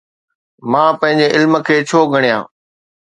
مان پنهنجي علم کي ڇو ڳڻيان؟